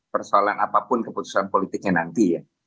persoalan apapun keputusan politiknya nanti ya